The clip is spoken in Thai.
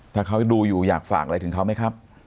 ถ้าเขาดูอยู่อยากฝากอะไรถึงเขาไหมครับ